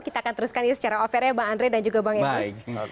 kita akan teruskan secara ofernya pak andre dan juga pak imbrus